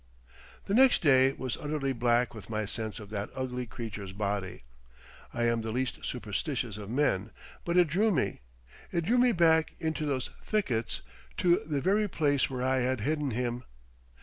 The next day was utterly black with my sense of that ugly creature's body. I am the least superstitious of men, but it drew me. It drew me back into those thickets to the very place where I had hidden him.